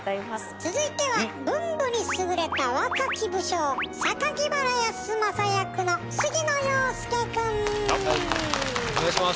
続いては文武に優れた若き武将原康政役のはいお願いします！